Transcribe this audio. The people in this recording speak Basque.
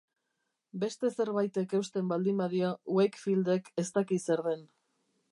Beste zerbaitek eusten baldin badio, Wakefieldek ez daki zer den.